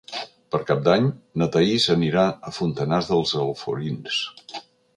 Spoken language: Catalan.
Per Cap d'Any na Thaís anirà a Fontanars dels Alforins.